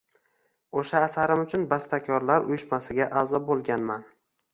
O’sha asarim uchun Bastakorlar uyushmasiga a’zo bo’lganman.